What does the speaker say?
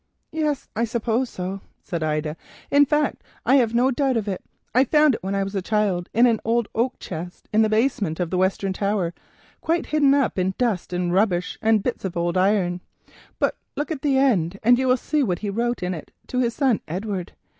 "Yes, I suppose so," said Ida, "in fact I have no doubt of it. I found it when I was a child in an ancient oak chest in the basement of the western tower, quite hidden up in dusty rubbish and bits of old iron. But look at the end and you will see what he wrote in it to his son, Edward.